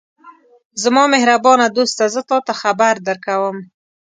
زما مهربانه دوسته! زه تاته خبر درکوم.